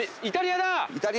イタリア！